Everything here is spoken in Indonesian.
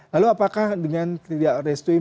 lalu apakah dengan tidak restu ini